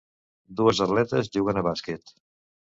Dues atletes juguen a bàsquet.